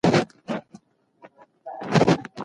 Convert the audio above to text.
څنګه کولای سو د ټولني حقيقي عايد لوړ کړو؟